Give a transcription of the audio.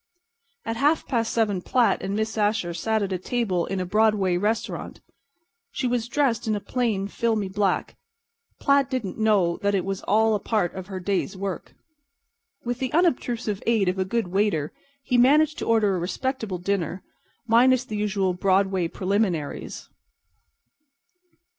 At half past seven Platt and Miss Asher sat at a table in a Broadway restaurant. She was dressed in a plain, filmy black. Platt didn't know that it was all a part of her day's work. With the unobtrusive aid of a good waiter he managed to order a respectable dinner, minus the usual Broadway preliminaries.